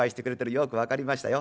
よく分かりましたよ。